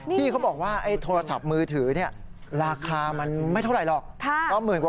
ที่เขาบอกว่าโทรศัพท์มือถือราคามันไม่เท่าไหร่หรอก